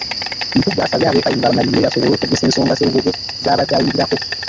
Mpuuga asabye ab’e Kayunga bamalirire basobole okuggusa ensonga Sserubogo z’abadde ayimirirako.